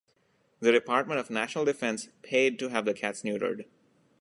The Department of National Defense paid to have the cats neutered.